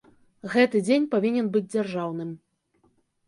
Гэты дзень павінен быць дзяржаўным.